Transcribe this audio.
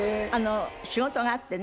仕事があってね。